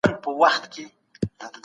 ټولنپوهنه يوازي د واقعيت بيان نه دی.